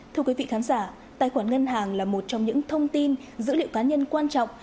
thưa quý vị khán giả tài khoản ngân hàng là một trong những thông tin dữ liệu cá nhân quan trọng